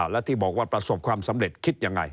แล้วที่บอกว่าประสบความสำเร็จคิดยังไง